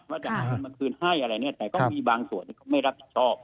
ว่าจะมาคืนให้อะไรแต่ก็มีบางส่วนที่ไม่รับผิดชอบ